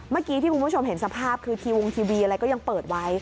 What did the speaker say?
เมื่อกี้ที่คุณผู้ชมเห็นสภาพคือทีวงทีวีอะไรก็ยังเปิดไว้